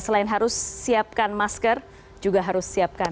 selain harus siapkan masker juga harus siapkan